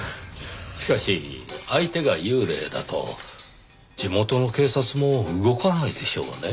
しかし相手が幽霊だと地元の警察も動かないでしょうねぇ。